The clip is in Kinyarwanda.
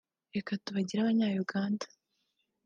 reka tubagire Abanya-Uganda